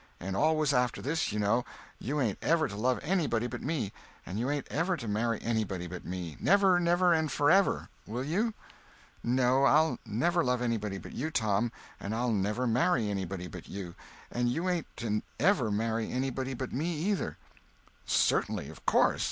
And always after this, you know, you ain't ever to love anybody but me, and you ain't ever to marry anybody but me, ever never and forever. Will you?" "No, I'll never love anybody but you, Tom, and I'll never marry anybody but you—and you ain't to ever marry anybody but me, either." "Certainly. Of course.